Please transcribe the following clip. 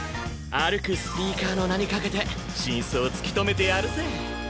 歩くスピーカーの名にかけて真相を突き止めてやるぜ。